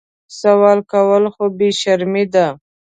سوال کول خو بې شرمي ده